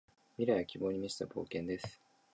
未来は希望に満ちた冒険です。